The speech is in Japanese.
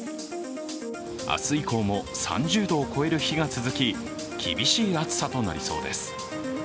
明日以降も３０度を超える日が続き、厳しい暑さとなりそうです。